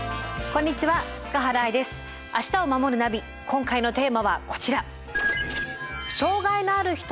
今回のテーマはこちら。